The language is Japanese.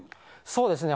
そうですね。